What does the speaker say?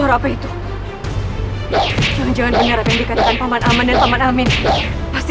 akhirnya aku bisa membawamu kepada gusti prabu surawi sese